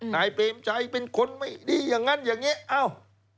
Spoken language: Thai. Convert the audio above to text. นายเปรมชัยเป็นคนไม่ดีอย่างนั้นอย่างนี้อ้าว